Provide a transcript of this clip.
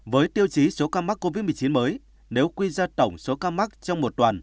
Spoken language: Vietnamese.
với tiêu chí số ca mắc covid một mươi chín mới nếu quy ra tổng số ca mắc trong một tuần